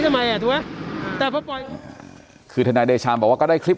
ทำไมอ่ะถูกไหมแต่พอปล่อยคือทนายเดชาบอกว่าก็ได้คลิป